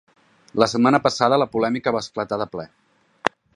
La setmana passada la polèmica va esclatar de ple.